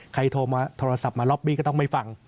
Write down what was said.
ใครโทรศัพท์มาล็อบบี้ก็ต้องไปฟัง